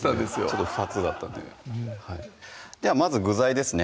ちょっと不発だったんでではまず具材ですね